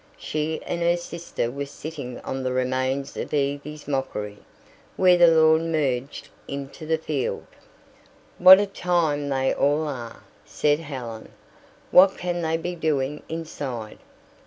She and her sister were sitting on the remains of Evie's mockery, where the lawn merged into the field. "What a time they all are!" said Helen. "What can they be doing inside?"